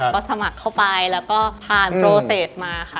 ก็สมัครเข้าไปแล้วก็ผ่านโปรเศษมาค่ะ